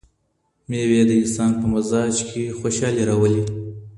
مېوې د انسان په مزاج کې خوشالي راولي.